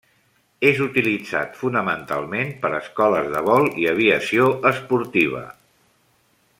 És utilitzat fonamentalment per escoles de vol i aviació esportiva.